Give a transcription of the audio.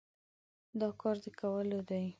دا کار د کولو دی؟